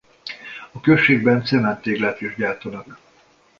A községben czement-téglát is gyártanak.